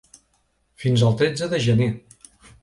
Fins al tretze de gener.